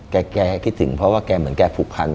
แกคิดถึงเพราะว่าแกเหมือนแกผูกพัน